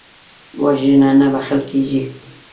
وژنه نه بخښل کېږي